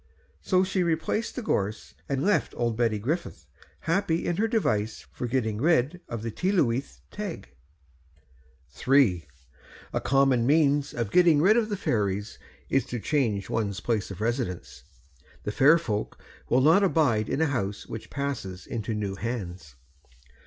So she replaced the gorse and left old Betty Griffith happy in her device for getting rid of the Tylwyth Teg.' FOOTNOTE: Hon. W. O. Stanley, in 'Notes and Queries.' III. A common means of getting rid of the fairies is to change one's place of residence; the fair folk will not abide in a house which passes into new hands.